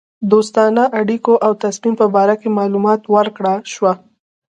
دوستانه اړېکو او تصمیم په باره کې معلومات ورکړه شوه.